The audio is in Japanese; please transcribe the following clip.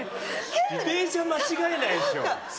自転車、間違えないでしょ。